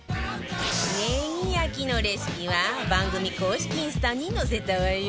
ネギ焼きのレシピは番組公式インスタに載せたわよ